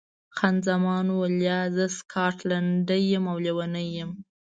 خان زمان وویل، یا، زه سکاټلنډۍ یم او لیونۍ یم.